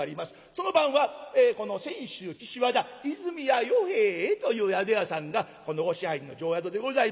その晩は泉州岸和田和泉屋与兵衛という宿屋さんがこのお支配人の定宿でございまして。